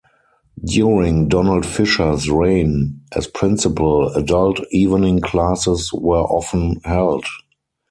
During Donald Fisher's reign as principal, Adult Evening classes were often held.